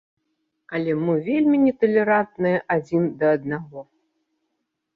Але мы вельмі неталерантныя адзін да аднаго.